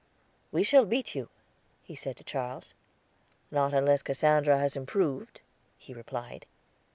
"We shall beat you," he said to Charles. "Not unless Cassandra has improved," he replied.